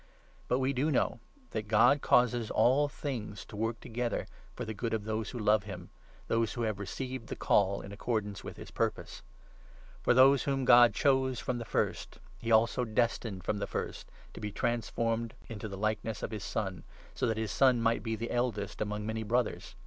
But we do know 28 that God causes all things to work together for the good of those who love him — those who have received the Call in accordance with his purpose. For those whom God chose 29 from the first he also destined from the first to be transformed into likeness to his Son, so that his Son might be the eldest among many Brothers.